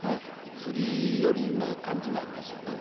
つり寄りな感じもありますね。